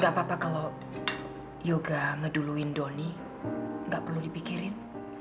gak apa apa kalau yoga ngeduluin doni nggak perlu dipikirin